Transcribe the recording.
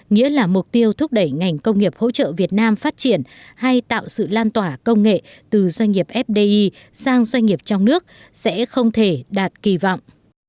nghĩa là mục tiêu thúc đẩy ngành công nghiệp hỗ trợ việt nam phát triển hay tạo sự lan tỏa công nghệ từ doanh nghiệp fdi sang doanh nghiệp trong nước sẽ không thể đạt kỳ vọng